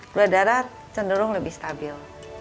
gula darah cenderung lebih stabil